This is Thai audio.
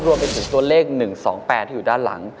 รวมไปถึงตัวเลข๑๒๘ที่อยู่ด้านหลัง